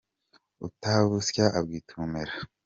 utabushya abwita ubumera.